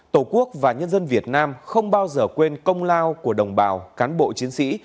tổ quốc và nhân dân việt nam không bao giờ quên công lao của đồng bào cán bộ chiến sĩ